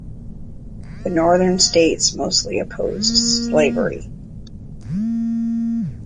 The northern states mostly opposed slavery.